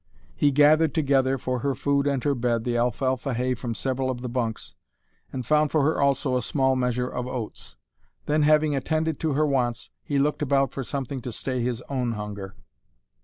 He gathered together, for her food and her bed, the alfalfa hay from several of the bunks, and found for her also a small measure of oats. Then, having attended to her wants, he looked about for something to stay his own hunger.